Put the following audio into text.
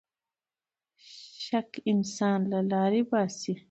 شک انسان له لارې باسـي.